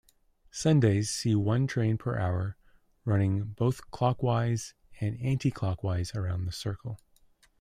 Sundays see one train per hour running both clockwise and anticlockwise around the Circle.